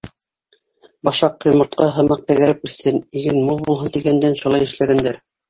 Башаҡ йомортҡа һымаҡ тәгәрәп үҫһен, иген мул булһын тигәндән шулай эшләгәндәр.